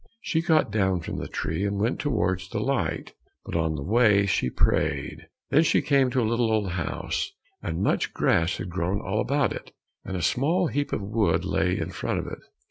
She got down from the tree, and went towards the light, but on the way she prayed. Then she came to a little old house, and much grass had grown all about it, and a small heap of wood lay in front of it.